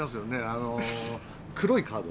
あの黒いカード。